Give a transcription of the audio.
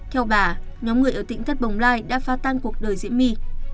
theo bà nhóm người ở tỉnh thất bồng lai đã phá tan cuộc đời diễm my